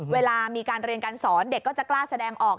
เวลามีการเรียนการสอนเด็กก็จะกล้าแสดงออก